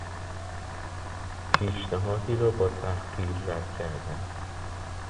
پیشنهادی را با تحقیر رد کردن